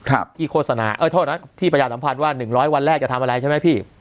ที่โฆษณาเออที่ประหยัดสัมภัณฑ์ว่า๑๐๐วันแรกจะทำอะไรใช่ไหมพี่